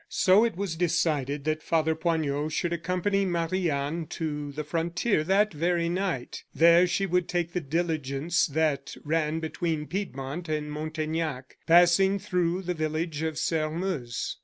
So it was decided that Father Poignot should accompany Marie Anne to the frontier that very night; there she would take the diligence that ran between Piedmont and Montaignac, passing through the village of Sairmeuse.